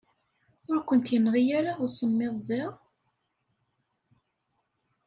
Ur kent-yenɣi ara usemmiḍ da?